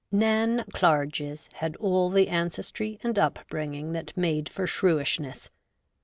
Nan Clarges had all the ancestry and upbringing that made for shrewishness.